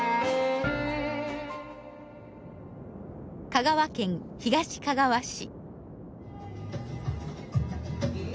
香川県東かがわ市。